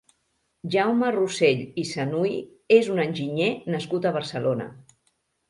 Jaume Rosell i Sanuy és un enginyer nascut a Barcelona.